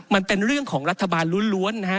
มันเป็นเรื่องของรัฐบาลล้วนนะฮะ